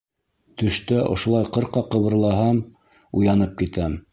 Төштә ошолай ҡырҡа ҡыбырлаһам, уянып китәм...